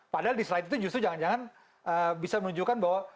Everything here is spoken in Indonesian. padahal di slide itu justru jangan jangan bisa menunjukkan bahwa